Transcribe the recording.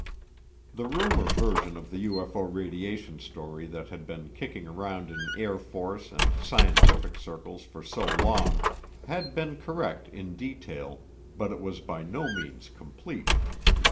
The rumor version of the UFO radiation story that had been kicking around in Air Force and scientific circles for so long had been correct in detail but it was by no means complete.